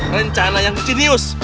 rencana yang jenius